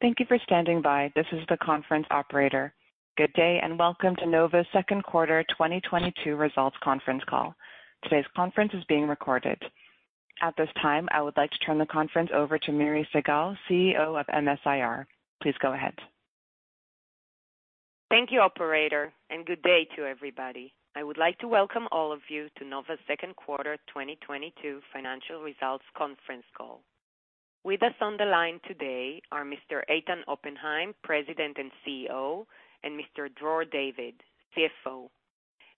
Thank you for standing by. This is the conference operator. Good day, and welcome to Nova's Second Quarter 2022 Results Conference Call. Today's conference is being recorded. At this time, I would like to turn the conference over to Miri Segal, CEO of MS-IR. Please go ahead. Thank you, Operator, and good day to everybody. I would like to welcome all of you to Nova's Second Quarter 2022 Financial Results Conference Call. With us on the line today are Mr. Eitan Oppenhaim, President and CEO, and Mr. Dror David, CFO.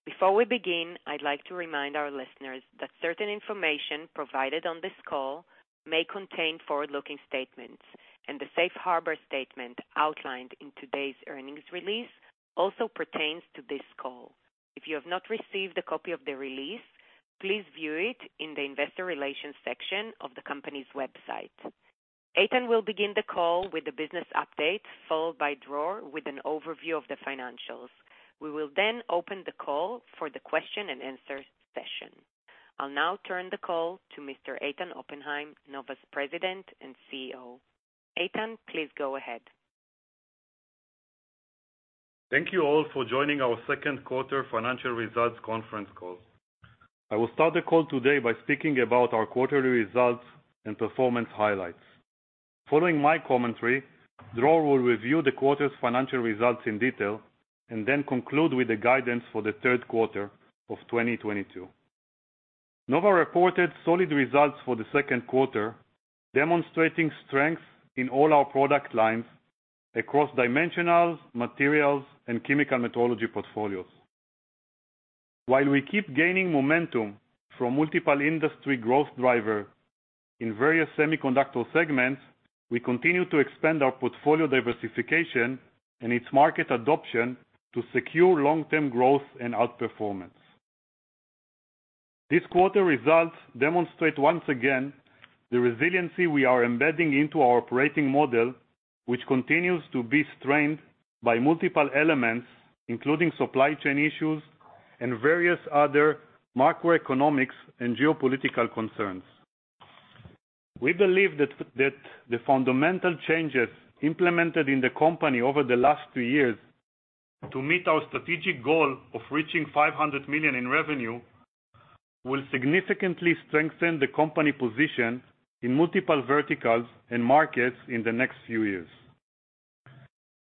Before we begin, I'd like to remind our listeners that certain information provided on this call may contain forward-looking statements, and the Safe Harbor statement outlined in today's earnings release also pertains to this call. If you have not received a copy of the release, please view it in the Investor Relations section of the company's website. Eitan will begin the call with the business update, followed by Dror with an overview of the financials. We will then open the call for the question-and-answer session. I'll now turn the call to Mr. Eitan Oppenhaim, Nova's President and CEO. Eitan, please go ahead. Thank you all for joining our second quarter financial results conference call. I will start the call today by speaking about our quarterly results and performance highlights. Following my commentary, Dror will review the quarter's financial results in detail and then conclude with the guidance for the third quarter of 2022. Nova reported solid results for the second quarter, demonstrating strength in all our product lines across dimensionals, materials, and chemical metrology portfolios. While we keep gaining momentum from multiple industry growth drivers in various semiconductor segments, we continue to expand our portfolio diversification and its market adoption to secure long-term growth and outperformance. This quarter's results demonstrate once again the resiliency we are embedding into our operating model, which continues to be strained by multiple elements, including supply chain issues and various other macroeconomic and geopolitical concerns. We believe that the fundamental changes implemented in the company over the last two years to meet our strategic goal of reaching $500 million in revenue will significantly strengthen the company's position in multiple verticals and markets in the next few years.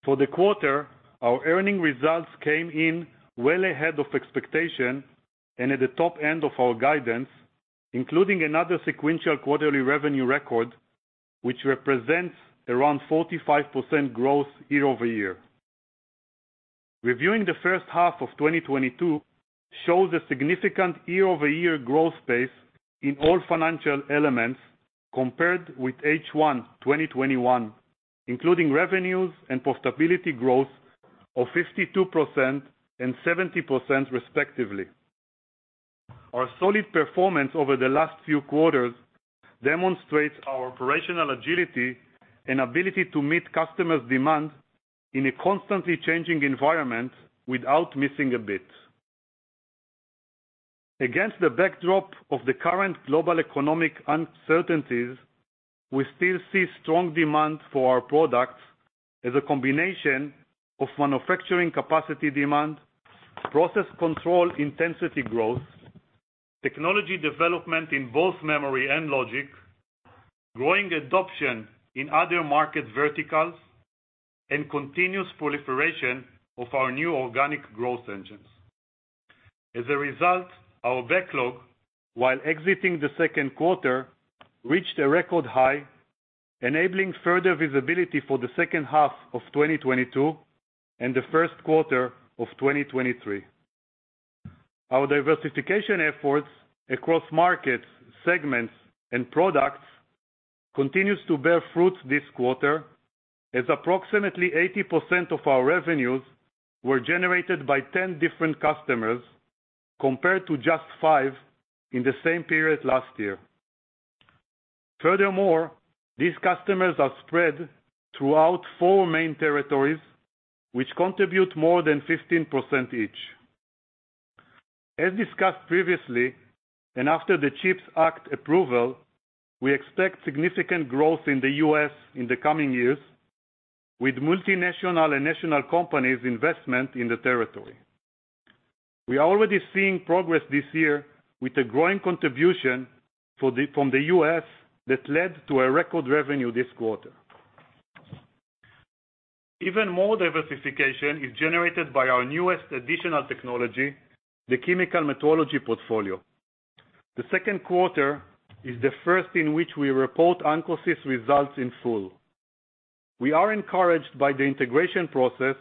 For the quarter, our earnings results came in well ahead of expectations and at the top end of our guidance, including another sequential quarterly revenue record, which represents around 45% growth year-over-year. Reviewing the first half of 2022 shows a significant year-over-year growth pace in all financial elements compared with H1 2021, including revenues and profitability growth of 52% and 70% respectively. Our solid performance over the last few quarters demonstrates our operational agility and ability to meet customers' demand in a constantly changing environment without missing a bit. Against the backdrop of the current global economic uncertainties, we still see strong demand for our products as a combination of manufacturing capacity demand, process control intensity growth, technology development in both memory and logic, growing adoption in other market verticals, and continuous proliferation of our new organic growth engines. As a result, our backlog, while exiting the second quarter, reached a record high, enabling further visibility for the second half of 2022 and the first quarter of 2023. Our diversification efforts across markets, segments, and products continues to bear fruits this quarter, as approximately 80% of our revenues were generated by 10 different customers, compared to just five in the same period last year. Furthermore, these customers are spread throughout four main territories, which contribute more than 15% each. As discussed previously, and after the CHIPS Act approval, we expect significant growth in the U.S. in the coming years with multinational and national companies' investment in the territory. We are already seeing progress this year with a growing contribution from the U.S. that led to a record revenue this quarter. Even more diversification is generated by our newest additional technology, the chemical metrology portfolio. The second quarter is the first in which we report Ancosys results in full. We are encouraged by the integration process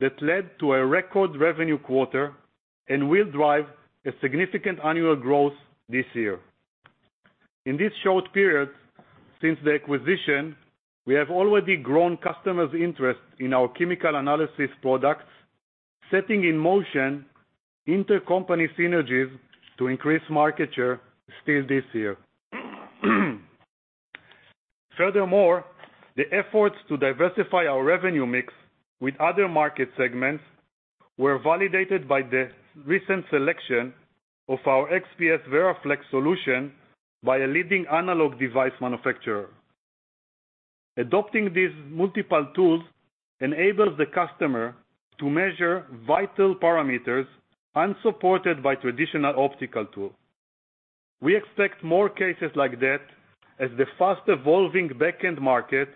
that led to a record revenue quarter and will drive a significant annual growth this year. In this short period since the acquisition, we have already grown customers' interest in our chemical analysis products, setting in motion intercompany synergies to increase market share still this year. Furthermore, the efforts to diversify our revenue mix with other market segments were validated by the recent selection of our XPS VeraFlex solution by a leading analog device manufacturer. Adopting these multiple tools enables the customer to measure vital parameters unsupported by traditional optical tools. We expect more cases like that as the fast-evolving backend market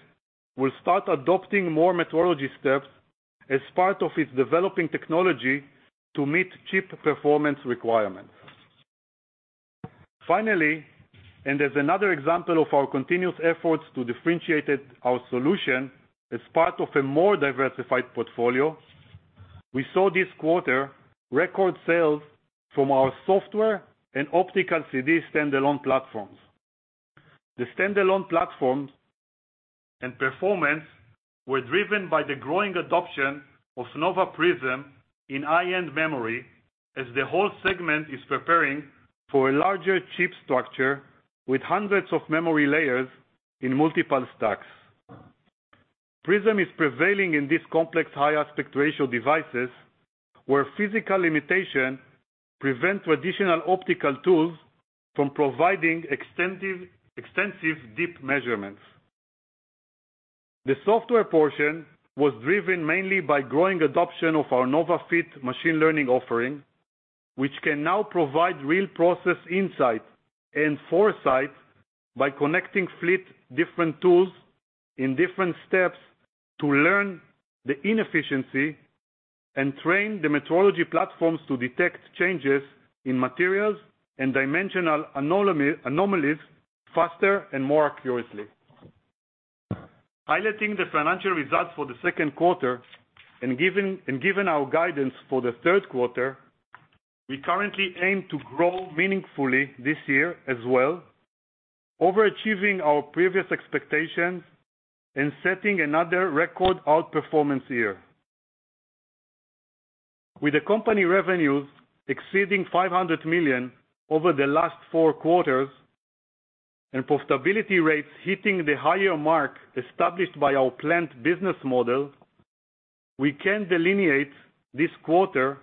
will start adopting more metrology steps as part of its developing technology to meet chip performance requirements. Finally, and as another example of our continuous efforts to differentiate our solution as part of a more diversified portfolio, we saw this quarter record sales from our software and optical CD standalone platforms. The standalone platforms and performance were driven by the growing adoption of Nova PRISM in high-end memory as the whole segment is preparing for a larger chip structure with hundreds of memory layers in multiple stacks. PRISM is prevailing in these complex high aspect ratio devices where physical limitations prevent traditional optical tools from providing extensive deep measurements. The software portion was driven mainly by growing adoption of our Nova Fleet machine learning offering, which can now provide real process insight and foresight by connecting the fleet of different tools in different steps to learn the inefficiencies and train the metrology platforms to detect changes in materials and dimensional anomalies faster and more accurately. Highlighting the financial results for the second quarter and given our guidance for the third quarter, we currently aim to grow meaningfully this year as well, overachieving our previous expectations and setting another record outperformance year. With the company revenues exceeding $500 million over the last four quarters and profitability rates hitting the higher mark established by our planned business model, we can delineate this quarter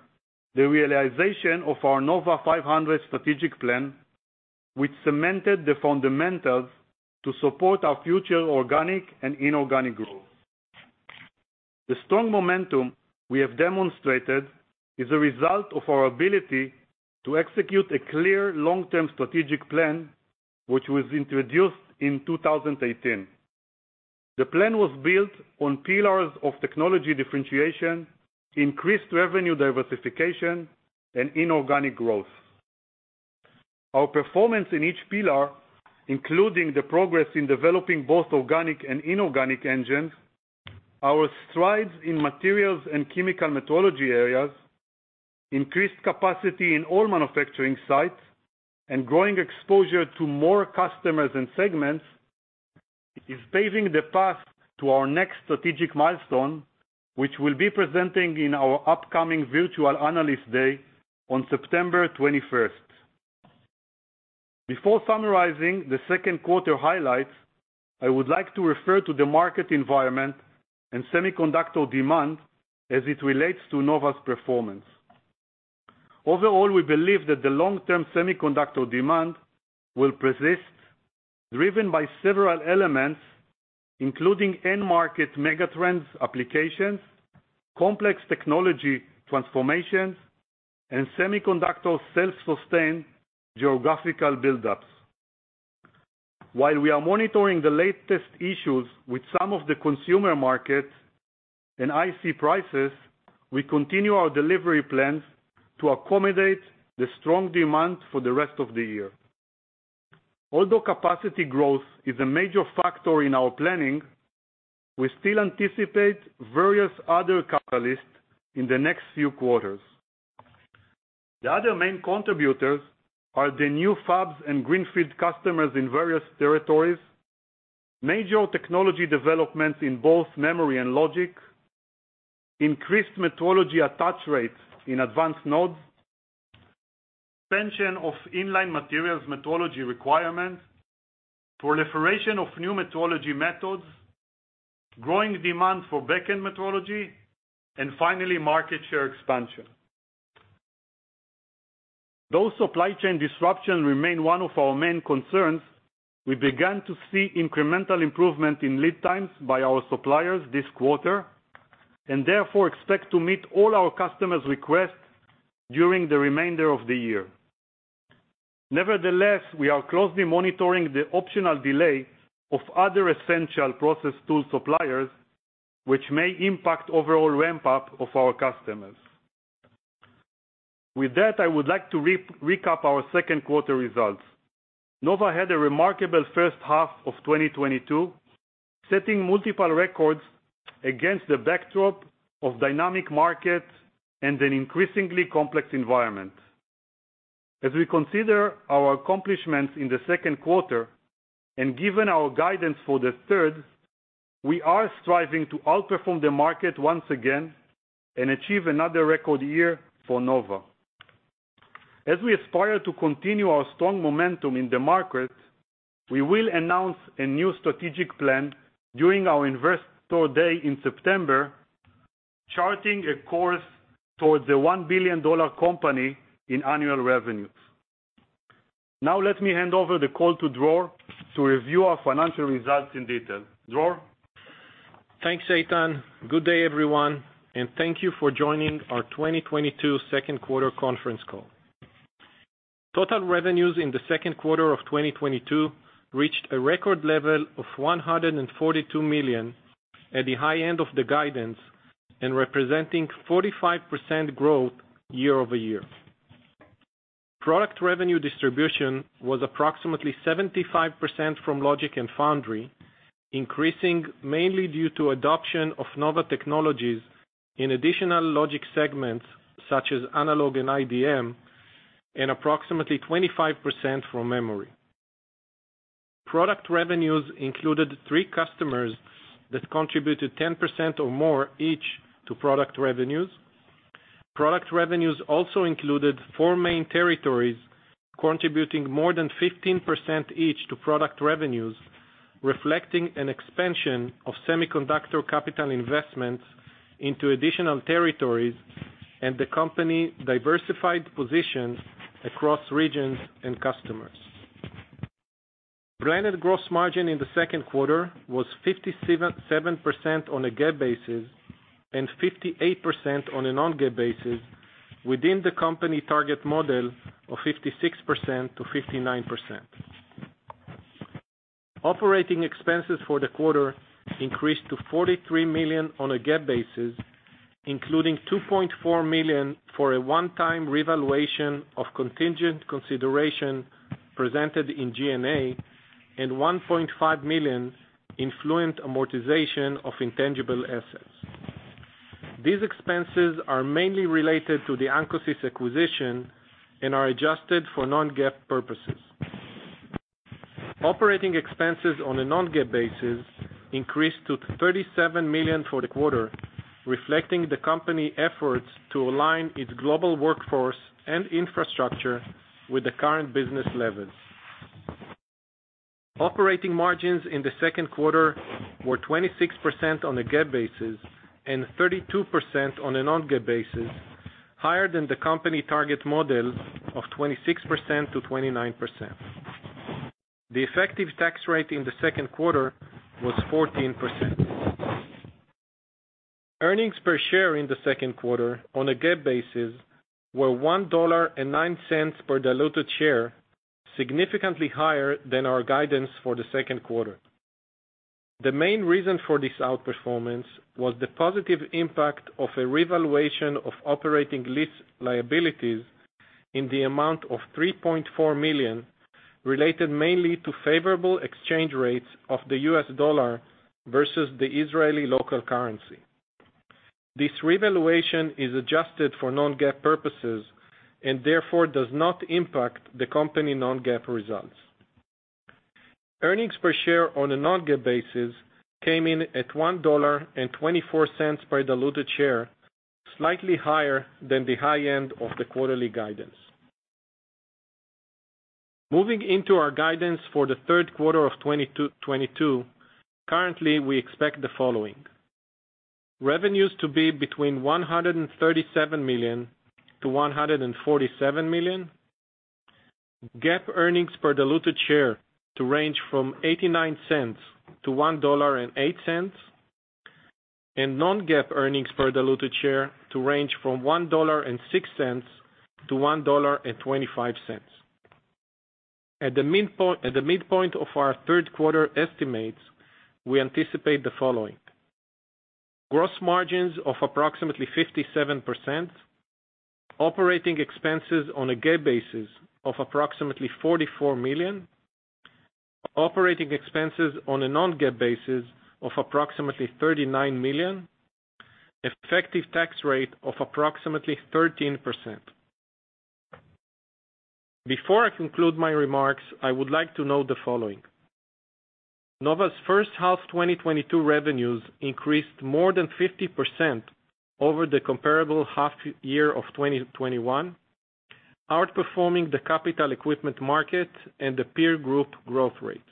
the realization of our NOVA500 strategic plan, which cemented the fundamentals to support our future organic and inorganic growth. The strong momentum we have demonstrated is a result of our ability to execute a clear long-term strategic plan which was introduced in 2018. The plan was built on pillars of technology differentiation, increased revenue diversification, and inorganic growth. Our performance in each pillar, including the progress in developing both organic and inorganic engines, our strides in materials and chemical metrology areas, increased capacity in all manufacturing sites, and growing exposure to more customers and segments, is paving the path to our next strategic milestone, which we'll be presenting in our upcoming virtual analyst day on September 21st. Before summarizing the second quarter highlights, I would like to refer to the market environment and semiconductor demand as it relates to Nova's performance. Overall, we believe that the long-term semiconductor demand will persist, driven by several elements, including end market megatrends applications, complex technology transformations, and semiconductor self-sustained geographical buildups. While we are monitoring the latest issues with some of the consumer markets and IC prices, we continue our delivery plans to accommodate the strong demand for the rest of the year. Although capacity growth is a major factor in our planning, we still anticipate various other catalysts in the next few quarters. The other main contributors are the new fabs and greenfield customers in various territories, major technology developments in both memory and logic, increased metrology attach rates in advanced nodes, expansion of in-line materials metrology requirements, proliferation of new metrology methods, growing demand for backend metrology, and finally, market share expansion. Though supply chain disruption remain one of our main concerns, we began to see incremental improvement in lead times by our suppliers this quarter, and therefore, expect to meet all our customers' requests during the remainder of the year. Nevertheless, we are closely monitoring the potential delay of other essential process tool suppliers which may impact overall ramp up of our customers. With that, I would like to recap our second quarter results. Nova had a remarkable first half of 2022, setting multiple records against the backdrop of dynamic markets and an increasingly complex environment. As we consider our accomplishments in the second quarter and given our guidance for the third, we are striving to outperform the market once again and achieve another record year for Nova. As we aspire to continue our strong momentum in the market, we will announce a new strategic plan during our Investor Day in September, charting a course towards a $1 billion company in annual revenues. Now let me hand over the call to Dror to review our financial results in detail. Dror? Thanks, Eitan. Good day, everyone, and thank you for joining our 2022 second quarter conference call. Total revenues in the second quarter of 2022 reached a record level of $142 million at the high end of the guidance and representing 45% growth year-over-year. Product revenue distribution was approximately 75% from logic and foundry, increasing mainly due to adoption of Nova technologies in additional logic segments such as analog and IDM, and approximately 25% from memory. Product revenues included three customers that contributed 10% or more each to product revenues. Product revenues also included four main territories, contributing more than 15% each to product revenues, reflecting an expansion of semiconductor capital investments into additional territories and the company diversified positions across regions and customers. Blended gross margin in the second quarter was 57% on a GAAP basis and 58% on a non-GAAP basis within the company target model of 56%-59%. Operating expenses for the quarter increased to $43 million on a GAAP basis, including $2.4 million for a one-time revaluation of contingent consideration presented in G&A and $1.5 million in acquisition amortization of intangible assets. These expenses are mainly related to the Ancosys acquisition and are adjusted for non-GAAP purposes. Operating expenses on a non-GAAP basis increased to $37 million for the quarter, reflecting the company's efforts to align its global workforce and infrastructure with the current business levels. Operating margins in the second quarter were 26% on a GAAP basis and 32% on a non-GAAP basis, higher than the company target model of 26%-29%. The effective tax rate in the second quarter was 14%. Earnings per share in the second quarter on a GAAP basis were $1.09 per diluted share, significantly higher than our guidance for the second quarter. The main reason for this outperformance was the positive impact of a revaluation of operating lease liabilities in the amount of $3.4 million, related mainly to favorable exchange rates of the U.S. dollar versus the Israeli local currency. This revaluation is adjusted for non-GAAP purposes and therefore does not impact the company non-GAAP results. Earnings per share on a non-GAAP basis came in at $1.24 per diluted share, slightly higher than the high end of the quarterly guidance. Moving into our guidance for the third quarter of 2022, currently, we expect the following. Revenues to be between $137 million-$147 million. GAAP earnings per diluted share to range from $0.89-$1.08. non-GAAP earnings per diluted share to range from $1.06-$1.25. At the midpoint of our third quarter estimates, we anticipate the following. Gross margins of approximately 57%. Operating expenses on a GAAP basis of approximately $44 million. Operating expenses on a non-GAAP basis of approximately $39 million. Effective tax rate of approximately 13%. Before I conclude my remarks, I would like to note the following. Nova's first half 2022 revenues increased more than 50% over the comparable half year of 2021, outperforming the capital equipment market and the peer group growth rates.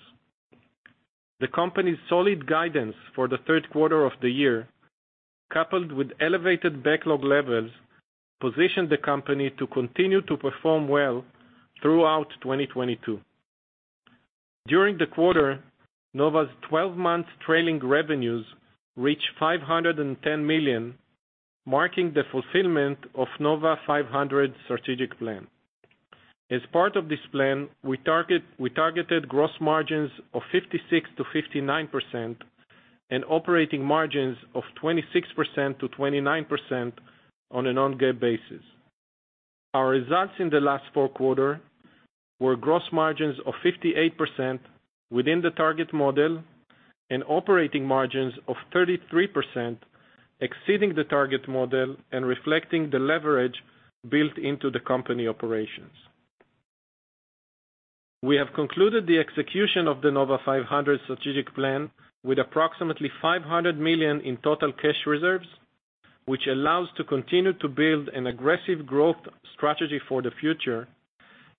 The company's solid guidance for the third quarter of the year, coupled with elevated backlog levels, position the company to continue to perform well throughout 2022. During the quarter, Nova's 12 month trailing revenues reached $510 million, marking the fulfillment of NOVA500 strategic plan. As part of this plan, we targeted gross margins of 56%-59% and operating margins of 26%-29% on a non-GAAP basis. Our results in the last four quarters were gross margins of 58% within the target model and operating margins of 33% exceeding the target model and reflecting the leverage built into the company operations. We have concluded the execution of the NOVA500 strategic plan with approximately $500 million in total cash reserves, which allows to continue to build an aggressive growth strategy for the future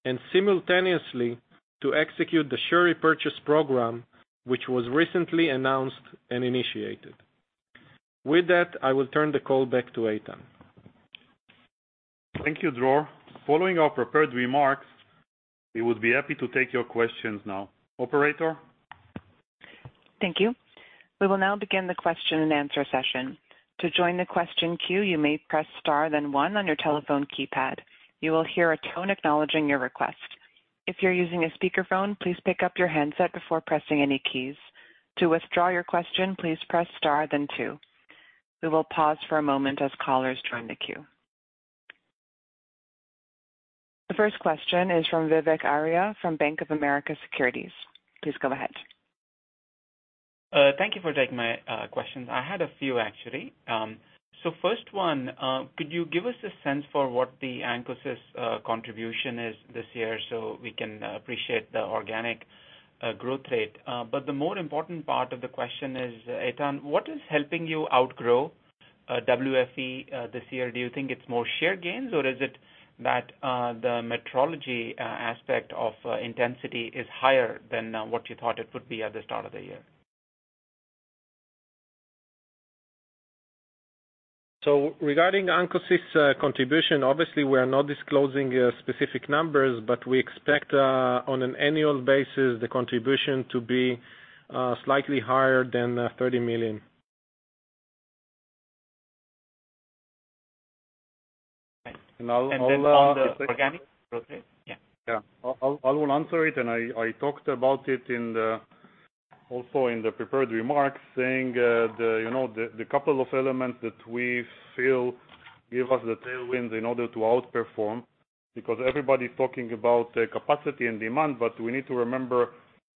and simultaneously to execute the share repurchase program, which was recently announced and initiated. With that, I will turn the call back to Eitan. Thank you, Dror. Following our prepared remarks, we would be happy to take your questions now. Operator. Thank you. We will now begin the question and answer session. To join the question queue, you may press star then one on your telephone keypad. You will hear a tone acknowledging your request. If you're using a speakerphone, please pick up your handset before pressing any keys. To withdraw your question, please press star then two. We will pause for a moment as callers join the queue. The first question is from Vivek Arya from Bank of America Securities. Please go ahead. Thank you for taking my questions. I had a few, actually. First one, could you give us a sense for what the Ancosys contribution is this year, so we can appreciate the organic growth rate? The more important part of the question is, Eitan, what is helping you outgrow WFE this year? Do you think it's more share gains, or is it that the metrology aspect of intensity is higher than what you thought it would be at the start of the year? Regarding Ancosys contribution, obviously, we are not disclosing specific numbers, but we expect, on an annual basis, the contribution to be slightly higher than $30 million. On the organic growth rate? Yeah. Yeah. I will answer it, and I talked about it also in the prepared remarks, saying, you know, the couple of elements that we feel give us the tailwinds in order to outperform, because everybody is talking about the capacity and demand, but we need to remember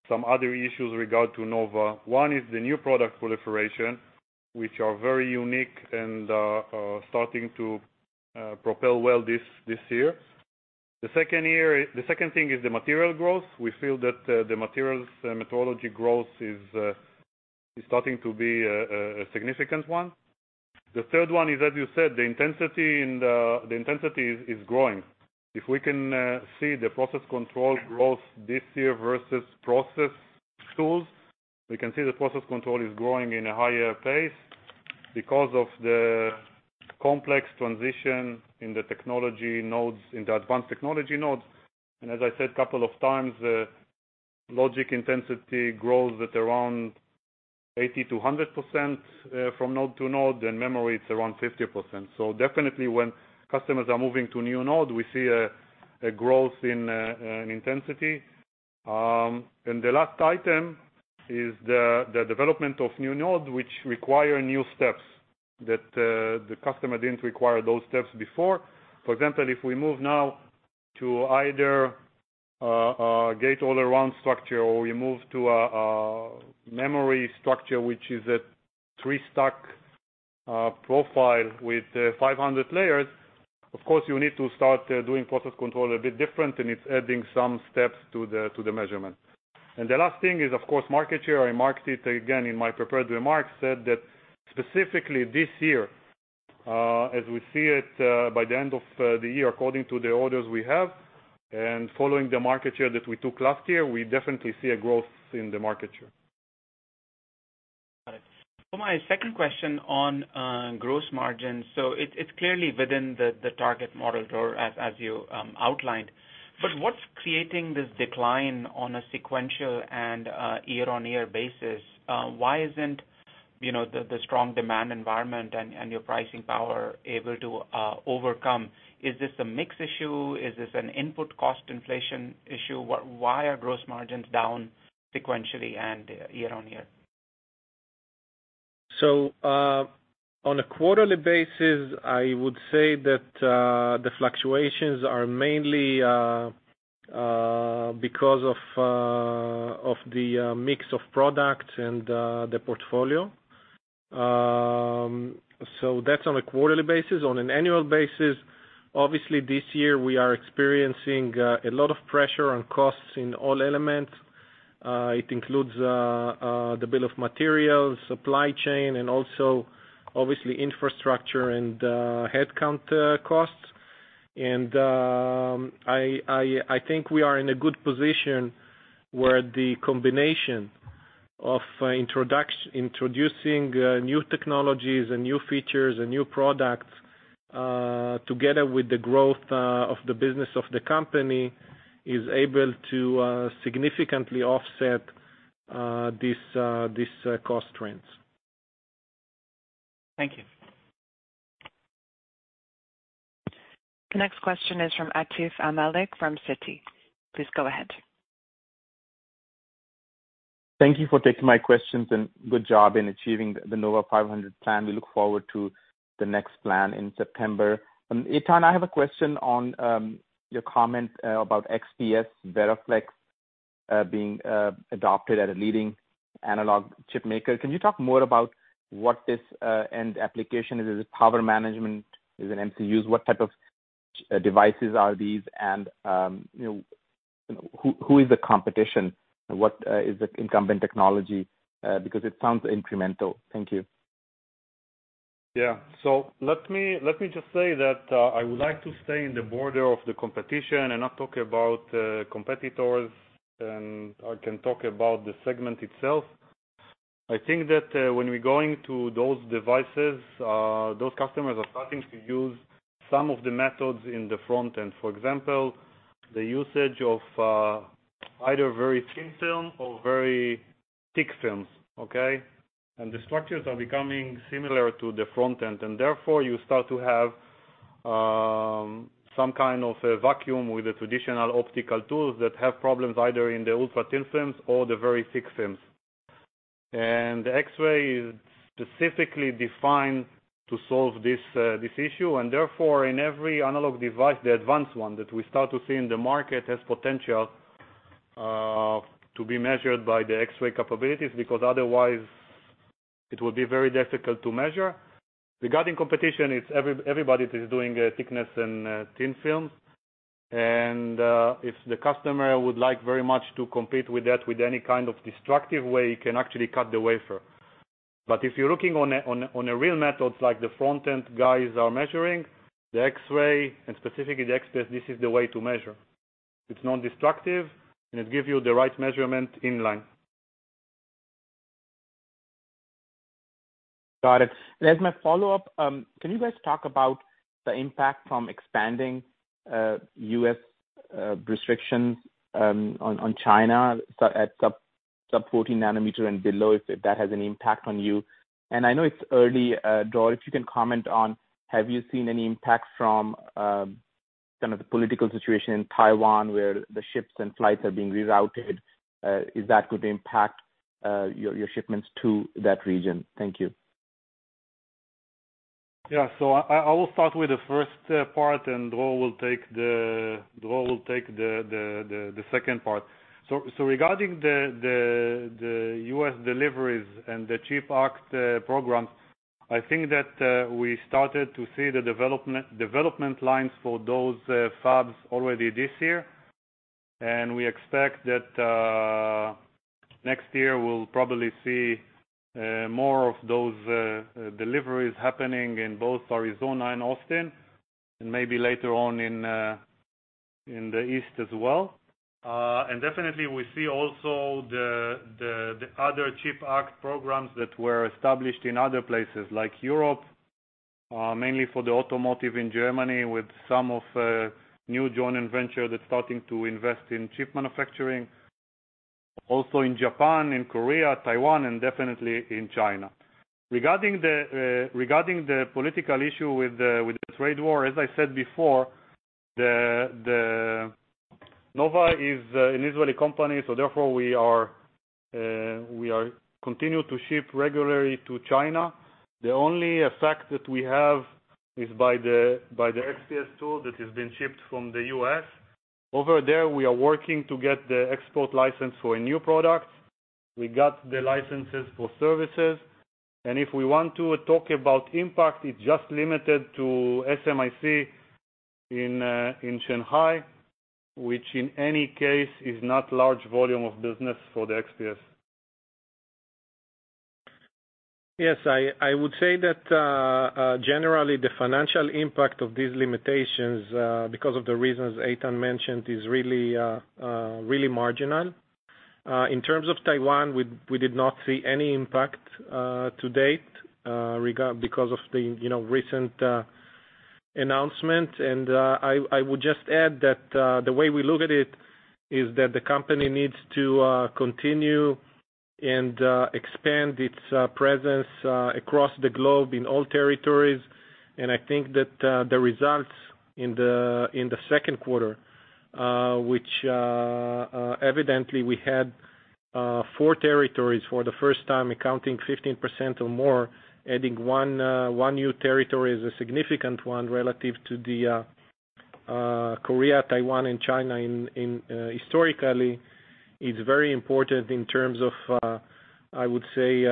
some other issues regarding Nova. One is the new product proliferation, which are very unique and starting to propel well this year. The second thing is the material growth. We feel that the materials metrology growth is starting to be a significant one. The third one is, as you said, the intensity and the intensity is growing. If we can see the process control growth this year versus process tools, we can see the process control is growing in a higher pace because of the complex transition in the technology nodes, in the advanced technology nodes. As I said couple of times, logic intensity grows at around 80%-100% from node-to-node, and memory, it's around 50%. Definitely when customers are moving to a new node, we see a growth in an intensity. The last item is the development of new node, which require new steps that the customer didn't require those steps before. For example, if we move now to either Gate-All-Around structure or we move to a memory structure, which is a three stack profile with 500 layers, of course, you need to start doing process control a bit different, and it's adding some steps to the measurement. The last thing is, of course, market share. I marked it again in my prepared remarks, said that specifically this year, as we see it, by the end of the year, according to the orders we have and following the market share that we took last year, we definitely see a growth in the market share. Got it. For my second question on gross margin. It's clearly within the target model, Dror, as you outlined. What's creating this decline on a sequential and year-on-year basis? Why isn't the strong demand environment and your pricing power able to overcome? Is this a mix issue? Is this an input cost inflation issue? Why are gross margins down sequentially and year-on-year? So, on a quarterly basis, I would say that the fluctuations are mainly because of the mix of products and the portfolio. That's on a quarterly basis. On an annual basis, obviously, this year we are experiencing a lot of pressure on costs in all elements. It includes the bill of materials, supply chain, and also, obviously, infrastructure and headcount costs. I think we are in a good position where the combination of introducing new technologies and new features and new products, together with the growth of the business of the company, is able to significantly offset these cost trends. Thank you. The next question is from Aatif Malik from Citi. Please go ahead. Thank you for taking my questions, and good job in achieving the NOVA500 plan. We look forward to the next plan in September. Eitan, I have a question on your comment about XPS VeraFlex being adopted at a leading Analog chip maker. Can you talk more about what this end application is? Is it power management? Is it MCUs? What type of devices are these? You know, who is the competition? What is the incumbent technology? Because it sounds incremental. Thank you. Yeah. Let me just say that I would like to stay in the border of the competition and not talk about competitors, and I can talk about the segment itself. I think that when we're going to those devices, those customers are starting to use some of the methods in the front end. For example, the usage of either very thin film or very thick films, okay? The structures are becoming similar to the front end, and therefore you start to have some kind of a vacuum with the traditional optical tools that have problems either in the ultra-thin films or the very thick films. X-ray is specifically defined to solve this issue, and therefore in every analog device, the advanced one that we start to see in the market, has potential to be measured by the X-ray capabilities because otherwise it will be very difficult to measure. Regarding competition, it's everybody is doing thickness and thin films. If the customer would like very much to compete with that with any kind of destructive way, he can actually cut the wafer. If you're looking on the real methods like the front end guys are measuring, the X-ray and specifically the XPS, this is the way to measure. It's non-destructive, and it gives you the right measurement in line. Got it. As my follow-up, can you guys talk about the impact from expanding U.S. restrictions on China at sub 14 nm and below, if that has any impact on you? I know it's early, Dror, if you can comment on have you seen any impact from some of the political situation in Taiwan, where the ships and flights are being rerouted? Is that going to impact your shipments to that region? Thank you. I will start with the first part and Dror will take the second part. Regarding the U.S. deliveries and the Chip Act programs, I think that we started to see the development lines for those fabs already this year. We expect that next year we'll probably see more of those deliveries happening in both Arizona and Austin and maybe later on in the East as well. Definitely we see also the other Chip Act programs that were established in other places like Europe, mainly for the automotive in Germany, with some new joint venture that's starting to invest in chip manufacturing. Also in Japan, in Korea, Taiwan, and definitely in China. Regarding the political issue with the trade war, as I said before, the Nova is an Israeli company, so therefore we are continued to ship regularly to China. The only effect that we have is by the XPS tool that is being shipped from the U.S. Over there, we are working to get the export license for a new product. We got the licenses for services. If we want to talk about impact, it's just limited to SMIC in Shanghai, which in any case is not large volume of business for the XPS. Yes, I would say that generally the financial impact of these limitations, because of the reasons Eitan mentioned, is really marginal. In terms of Taiwan, we did not see any impact to date because of the, you know, recent announcement. I would just add that the way we look at it is that the company needs to continue and expand its presence across the globe in all territories. I think that the results in the second quarter, which evidently we had four territories for the first time accounting 15% or more, adding one new territory is a significant one relative to the Korea, Taiwan, and China in historically, is very important in terms of I would say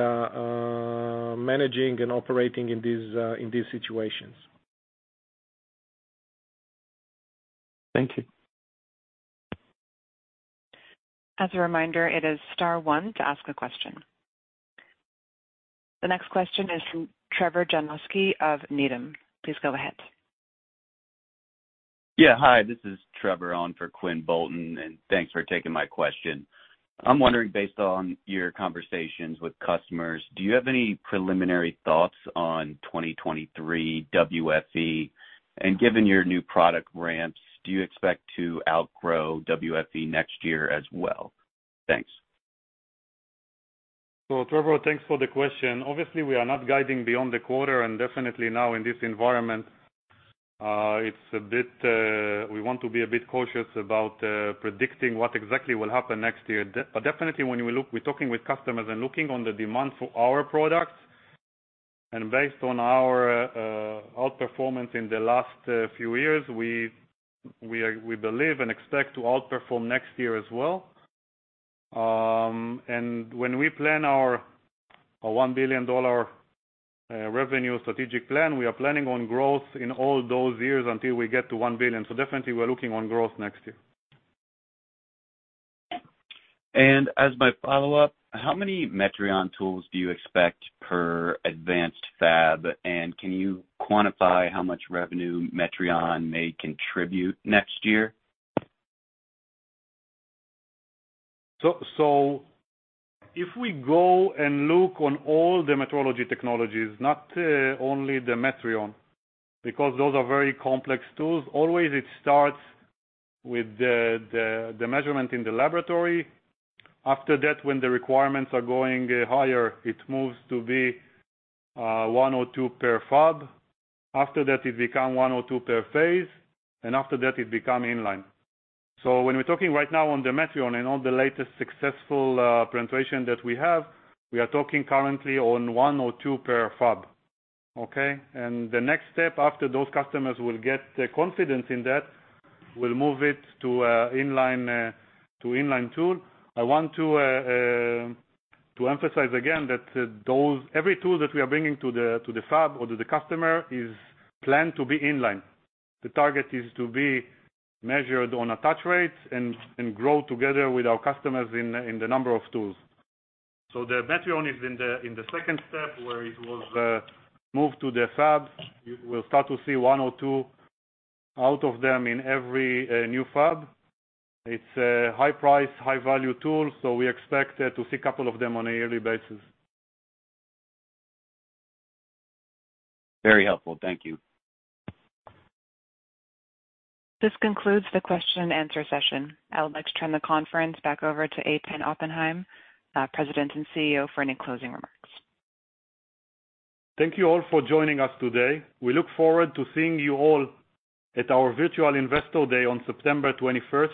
managing and operating in these situations. Thank you. As a reminder, it is star one to ask a question. The next question is from Trevor Janoskie of Needham. Please go ahead. Yeah, hi, this is Trevor on for Quinn Bolton, and thanks for taking my question. I'm wondering, based on your conversations with customers, do you have any preliminary thoughts on 2023 WFE? And given your new product ramps, do you expect to outgrow WFE next year as well? Thanks. Trevor, thanks for the question. Obviously, we are not guiding beyond the quarter and definitely now in this environment, it's a bit. We want to be a bit cautious about predicting what exactly will happen next year. But definitely when we look, we're talking with customers and looking at the demand for our products. Based on our outperformance in the last few years, we believe and expect to outperform next year as well. When we plan our $1 billion revenue strategic plan, we are planning on growth in all those years until we get to $1 billion. Definitely we're looking at growth next year. As my follow-up, how many Metrion tools do you expect per advanced fab? Can you quantify how much revenue Metrion may contribute next year? If we go and look on all the metrology technologies, not only the Metrion, because those are very complex tools. Always it starts with the measurement in the laboratory. After that, when the requirements are going higher, it moves to be one or two per fab. After that, it become one or two per phase, and after that, it become in-line. When we're talking right now on the Metrion and all the latest successful presentation that we have, we are talking currently on one or two per fab. The next step after those customers will get the confidence in that, we'll move it to in-line to in-line tool. I want to emphasize again that those. Every tool that we are bringing to the fab or to the customer is planned to be in-line. The target is to be measured on attach rates and grow together with our customers in the number of tools. The Metrion is in the second step where it was moved to the fab. You will start to see one or two of them in every new fab. It's a high price, high value tool, so we expect to see couple of them on a yearly basis. Very helpful. Thank you. This concludes the question-and-answer session. I would like to turn the conference back over to Eitan Oppenhaim, President and CEO, for any closing remarks. Thank you all for joining us today. We look forward to seeing you all at our virtual Investor Day on September 21st.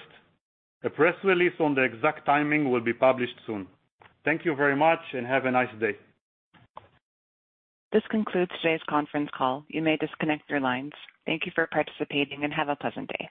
A press release on the exact timing will be published soon. Thank you very much and have a nice day. This concludes today's conference call. You may disconnect your lines. Thank you for participating, and have a pleasant day.